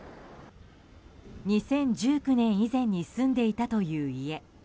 ２０１９年以前に住んでいたという家。